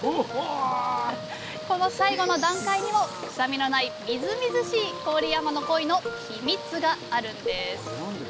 この最後の段階にも臭みのないみずみずしい郡山のコイのヒミツがあるんです。